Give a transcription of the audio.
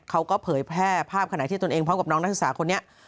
เผยแพร่ภาพขณะที่ตนเองพร้อมกับน้องนักศึกษาคนนี้